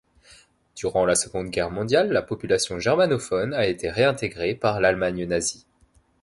Durant la Seconde Guerre mondiale, la population germanophone a été réintégrée par l'Allemagne nazie.